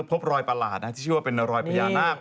พบรอยประหลาดที่ชื่อว่ารอยประหยานาคร